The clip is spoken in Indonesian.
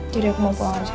jadi aku mau pulang aja